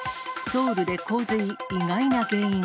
ソウルで洪水、意外な原因。